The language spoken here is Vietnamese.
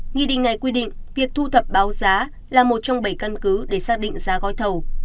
nghị định này quy định việc thu thập báo giá là một trong bảy căn cứ để xác định giá gói thầu